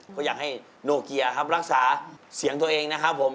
ก็อยากให้โนเกียร์ครับรักษาเสียงตัวเองนะครับผม